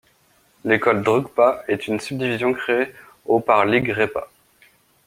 L'école Drugpa en est une subdivision créée au par Ling Répa.